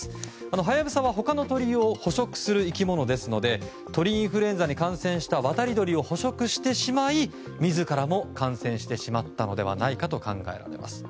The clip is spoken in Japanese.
ハヤブサは、他の鳥を捕食する生き物ですので鳥インフルエンザに感染した渡り鳥を捕食してしまい自らも感染してしまったのではないかと考えられます。